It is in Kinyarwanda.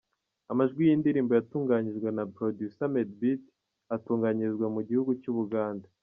Amajwi y’iyi ndirimbo yatunganijwe na Producer Madebeat, atunganyirizwa mu gihugu cy’Ubugande.